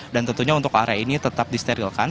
dan tentunya untuk area ini tetap disterilkan